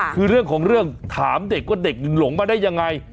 คือเรื่องของเรื่องถามเด็กว่าเด็กหลงมาได้ยังไง